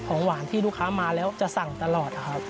ของหวานที่ลูกค้ามาแล้วจะสั่งตลอดครับ